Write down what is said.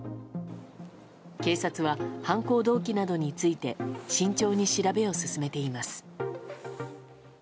警察は犯行動機などについて慎重に調べを進めています。